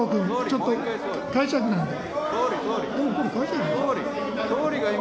ちょっと、解釈なんで。